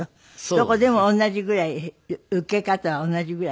どこでも同じぐらいウケ方は同じぐらい？